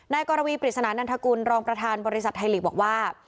กรวีปริศนานันทกุลรองประธานบริษัทไทยลีกบอกว่า